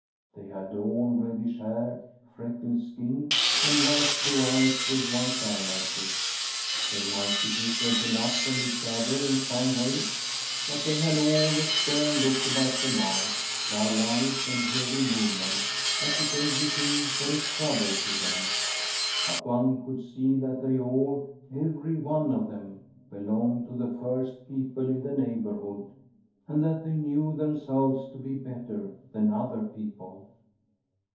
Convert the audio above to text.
They had all reddish hair, freckled skin, and light blue eyes with white eyelashes. They might be different enough from each other in some ways, but they had all a stern look about the mouth, dull eyes, and heavy movements, as if [ 302 ] Tbi PEACE of GOD cveiything were a trouble to them. But one could see that they all, every one of them, belonged to the first people in the neighbourhood, and that they knew themselves to be better than other people.